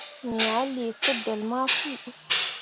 Me ah lii kudelle ma fu.